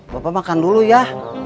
bapak makan dulu ya